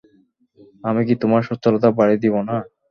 আমি কি তোমার সচ্ছলতা বাড়িয়ে দিব না?